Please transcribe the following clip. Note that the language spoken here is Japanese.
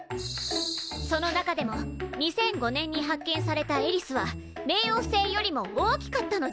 その中でも２００５年に発見されたエリスは冥王星よりも大きかったのです！